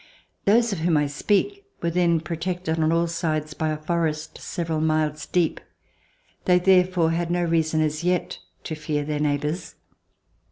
Those of whom I speak were then protected on all sides by a forest several miles deep. They therefore had no reason as yet to fear their neighbors.